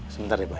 sebentar ya boy